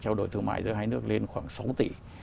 trao đổi thương mại giữa hai nước lên khoảng sáu tỷ